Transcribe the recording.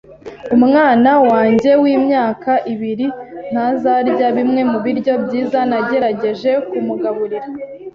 Umwana wanjye w'imyaka ibiri ntazarya bimwe mubiryo byiza nagerageje kumugaburira